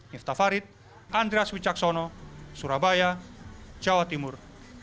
niftafarit andreas wicaksono surabaya jawa timur